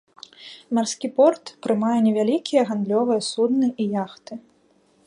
Марскі порт прымае невялікія гандлёвыя судны і яхты.